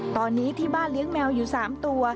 ตอนนี้ที่บ้านเลี้ยงแมวอยู่๓ตัว